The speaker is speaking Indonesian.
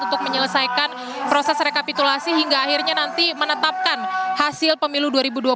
untuk menyelesaikan proses rekapitulasi hingga akhirnya nanti menetapkan hasil pemilu dua ribu dua puluh